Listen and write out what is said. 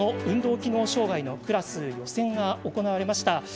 機能障がいのクラス予選が行われました。